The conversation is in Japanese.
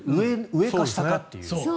上か下かっていう。